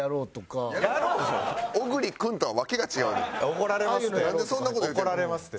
怒られますって。